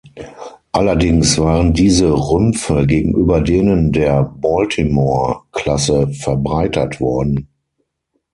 Allerdings waren diese Rümpfe gegenüber denen der "Baltimore"-Klasse verbreitert worden.